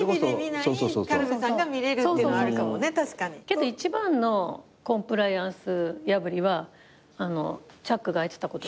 けど一番のコンプライアンス破りはチャックが開いてたこと。